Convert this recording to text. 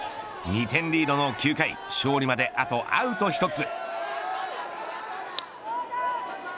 ２点リードの９回勝利まであとアウト１つ。